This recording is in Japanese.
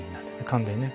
完全にね。